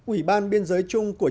ủy ban biên giới trung quốc